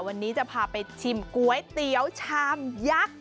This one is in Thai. วันนี้จะพาไปชิมก๋วยเตี๋ยวชามยักษ์